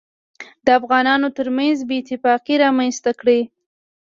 دافغانانوترمنځ بې اتفاقي رامنځته کړي